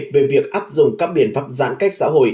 về việc áp dụng các biện pháp giãn cách xã hội